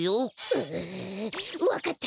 ううわかった！